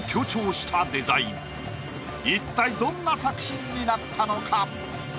一体どんな作品になったのか？